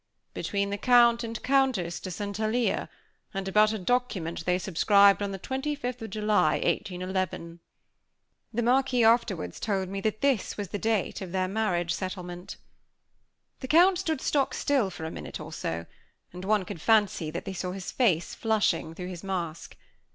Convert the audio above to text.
"Between the Count and Countess de St. Alyre, and about a document they subscribed on the 25th July, 1811." The Marquis afterwards told me that this was the date of their marriage settlement. The Count stood stock still for a minute or so; and one could fancy that they saw his face flushing through his mask.